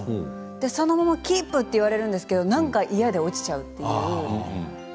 そのままキープ！と言われるんですけど何か嫌で落ちてしまいました。